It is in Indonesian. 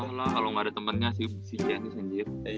ga tau lah kalo ga ada temennya sih si giannis anjir